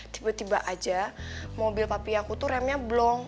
tiba tiba aja mobil papi aku tuh remnya blong